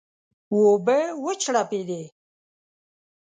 اوبه وچړپېدې.